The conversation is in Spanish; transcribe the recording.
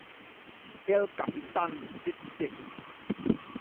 El Capitán St.